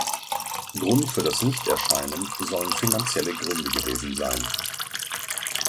Grund für das Nichterscheinen sollen finanzielle Gründe gewesen sein.